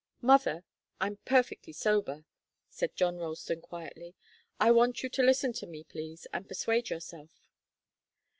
"Mother I'm perfectly sober," said John Ralston, quietly. "I want you to listen to me, please, and persuade yourself."